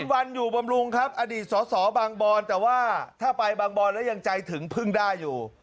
วันอยู่บำรุงครับอดีตสอสอบางบอนแต่ว่าถ้าไปบางบอนแล้วยังใจถึงพึ่งได้อยู่